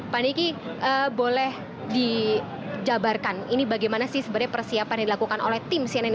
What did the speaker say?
pak diki boleh dijabarkan ini bagaimana sih sebenarnya persiapan yang dilakukan oleh tim cnn indonesia